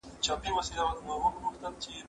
زه له سهاره کتاب وليکم!.!.